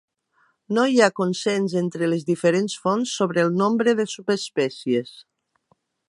No hi ha consens entre les diferents fonts sobre el nombre de subespècies.